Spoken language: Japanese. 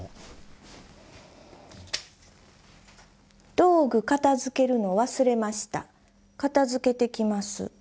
「道具片付けるの忘れました片付けてきます」。